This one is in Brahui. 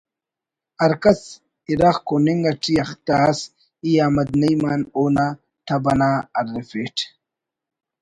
ہرکس اِرغ کننگ اٹی اختہ ئس ای احمد نعیم آن اونا طب انا ارفیٹ